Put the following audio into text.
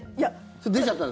出ちゃったの？